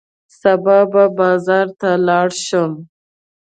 سبا به بازار ته لاړ شم.